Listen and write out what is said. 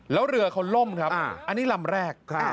แล้วเรือเขาล่มครับอันนี้ลำแรก